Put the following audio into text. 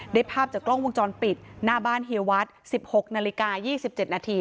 ภาพจากกล้องวงจรปิดหน้าบ้านเฮียวัด๑๖นาฬิกา๒๗นาที